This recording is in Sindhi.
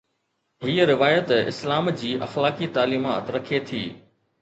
هيءَ روايت اسلام جي اخلاقي تعليمات رکي ٿي.